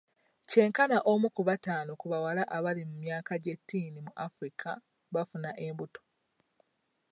Kyenkana omu ku bataano ku bawala abali mu myaka egy'ekitiini mu Africa bafuna embuto.